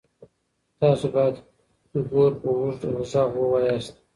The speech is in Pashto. تاسو باید ګور په اوږد غږ ووایاست.